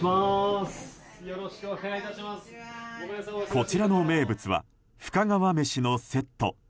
こちらの名物は深川めしのセット。